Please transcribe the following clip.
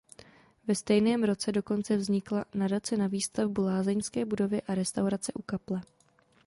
Ve stejném roce dokonce vznikla nadace na výstavbu lázeňské budovy a restaurace u kaple.